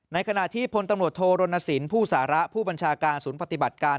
ขณะที่พลตำรวจโทรณสินผู้สาระผู้บัญชาการศูนย์ปฏิบัติการ